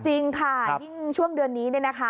จริงค่ะช่วงเดือนนี้นะคะ